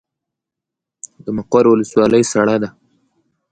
د مقر ولسوالۍ سړه ده